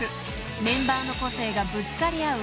［メンバーの個性がぶつかり合う